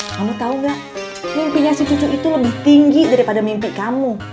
kamu tau gak mimpinya si cucu itu lebih tinggi daripada mimpi kamu